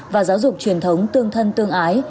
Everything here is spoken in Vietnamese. và giáo dục truyền thống tương thân tương ái